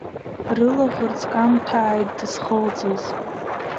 Рылаӷырӡ камҭәааит дызхылҵыз.